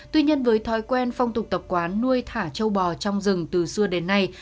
tuy nhiên với thói quen phong tục tập quán nuôi thả châu bò trong rừng từ xưa đến nay